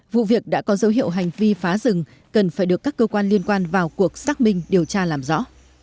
vụ việc đã có dấu hiệu hành vi phá rừng cần phải được các cơ quan liên quan vào cuộc xác minh điều tra làm rõ